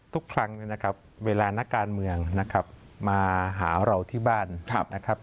ทุกครั้งเนี่ยนะครับเวลานักการเมืองนะครับมาหาเราที่บ้านนะครับ